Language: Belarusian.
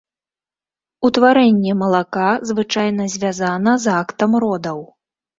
Утварэнне малака звычайна звязана з актам родаў.